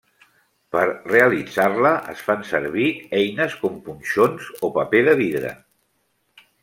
Per realitzar-la, es fan servir eines com punxons o paper de vidre.